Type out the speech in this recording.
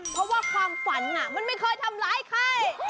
เพราะว่าความฝันมันไม่เคยทำร้ายใคร